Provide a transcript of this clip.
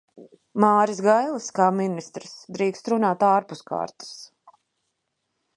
Māris Gailis, kā ministrs, drīkst runāt ārpus kārtas.